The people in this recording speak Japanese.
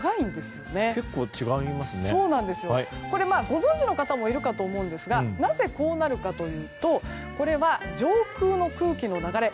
ご存じの方もいると思うんですがなぜこうなるかというとこれは上空の空気の流れ